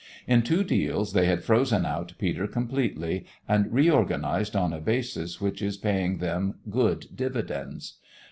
In two deals they had "frozen out" Peter completely, and reorganised on a basis which is paying them good dividends.